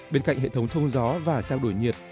bên cạnh hệ thống thông gió và trao đổi nhiệt